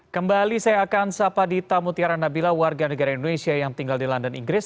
kembali saya akan sapa dita mutiara nabila warga negara indonesia yang tinggal di london inggris